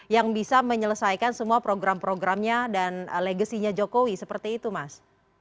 yang bisa menyelesaikan semua program programnya dan legasinya jokowi seperti itu mas